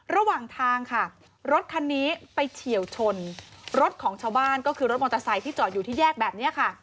ระหว่างทางค่ะรถคันนี้ไปเฉียวชนรถของชาวบ้านก็คือรถมอเตอร์ไซค์ที่จอดอยู่ที่แยกแบบนี้ค่ะ